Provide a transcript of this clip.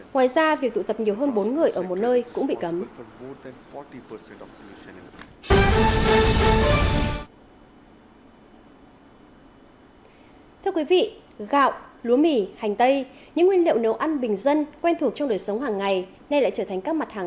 ngoài ra việc tụ tập nhiều hơn bốn người ở một nơi cũng bị cấm